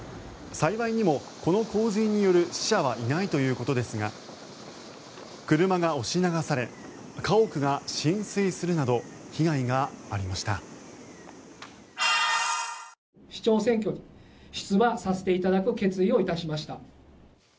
幸いにも、この洪水による死者はいないということですが車が押し流され家屋が浸水するなど被害がありました。